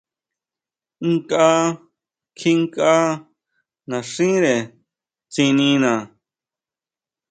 Nkʼa kjinkʼa naxínre tsinina.